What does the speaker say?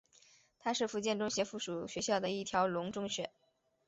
它是福建中学附属学校的一条龙中学。